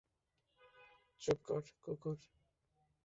চুপ কর, কুকুর!